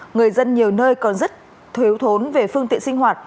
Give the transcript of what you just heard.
người dân nhiều nơi còn rất thiếu thốn về phương tiện sinh hoạt